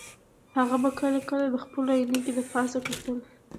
هغه به کله کله د خپلو عینکې د پاسه کتل